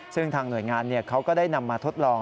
ซึ่งทางหน่วยงานเขาก็ได้นำมาทดลอง